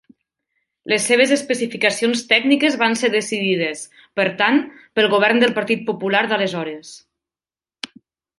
Les seves especificacions tècniques van ser decidides, per tant, pel govern del Partit Popular d'aleshores.